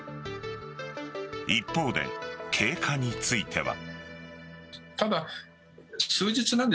一方で経過については。